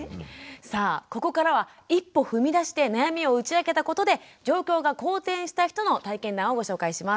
さあここからは一歩踏み出して悩みを打ち明けたことで状況が好転した人の体験談をご紹介します。